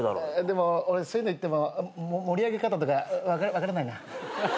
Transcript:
でも俺そういうの行っても盛り上げ方とか分からないな。